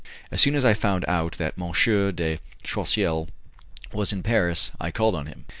As soon as I found out that M. de Choiseul was in Paris I called on him.